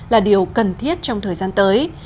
là điều cần thiết trong thời gian tới